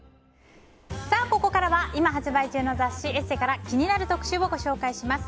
ここからは今発売中の雑誌「ＥＳＳＥ」から気になる特集をご紹介します。